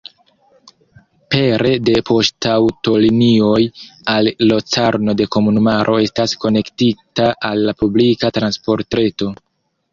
Pere de poŝtaŭtolinioj al Locarno la komunumaro estas konektita al la publika transportreto.